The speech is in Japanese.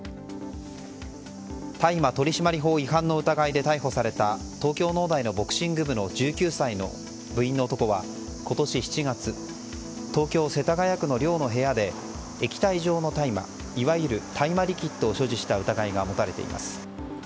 大麻取締法違反の疑いで逮捕された東京農大のボクシング部の１９歳の部員の男は今年７月東京・世田谷区の寮の部屋で液体状の大麻いわゆる大麻リキッドを所持した疑いが持たれています。